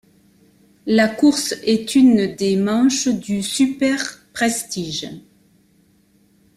La course est une des manches du Superprestige.